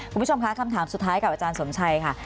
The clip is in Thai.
คุณผู้ชมคะคำถามสุดท้ายกับอาจารย์สมชัยค่ะ